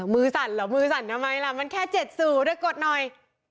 สั่นเหรอมือสั่นทำไมล่ะมันแค่๗๐ด้วยกดหน่อย